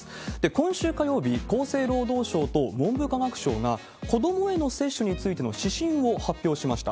今週火曜日、厚生労働省と文部科学省が、子どもへの接種についての指針を発表しました。